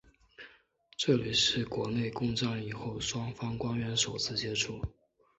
这是国共内战以后双方官员首次接触。